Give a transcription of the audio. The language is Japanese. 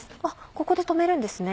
ここで止めるんですね。